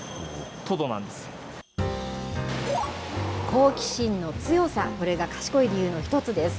好奇心の強さ、それが賢い理由の一つです。